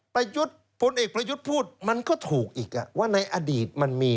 ประยุทธ์พลเอกประยุทธ์พูดมันก็ถูกอีกอ่ะว่าในอดีตมันมี